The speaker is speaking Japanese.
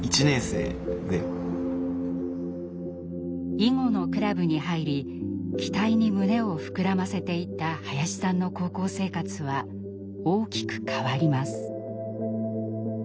囲碁のクラブに入り期待に胸を膨らませていた林さんの高校生活は大きく変わります。